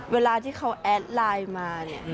เวลาที่เขาแอดไลน์มา